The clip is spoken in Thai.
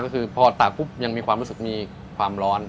ก็คือพอตากปุ๊บยังมีความรู้สึกมีความร้อน